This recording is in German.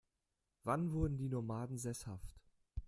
Wann wurden die Nomaden sesshaft?